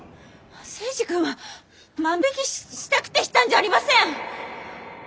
征二君は万引きしたくてしたんじゃありません！